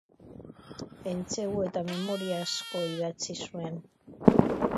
Entsegu eta memoria asko idatzi zuen.